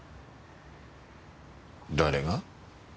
誰が？